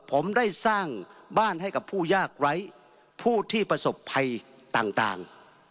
ผมได้สร้างบ้านให้กับผู้ยากไร้ผู้ที่ประสบภัยต่าง